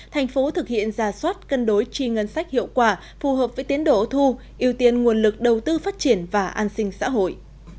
thành phố thực hiện ra soát cân đối tri ngân sách hiệu quả phù hợp với tiến độ thu ưu tiên nguồn lực đầu tư phát triển và an sinh xã hội